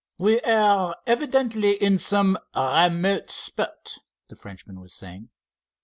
"We are evidently in some remote spot," the Frenchman was saying.